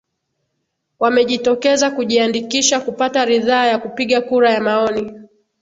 wamejitokeza kujiandikisha kupata ridhaa ya kupiga kura ya maoni